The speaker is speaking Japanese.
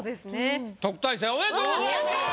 特待生おめでとうございます。